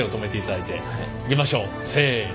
いきましょうせの。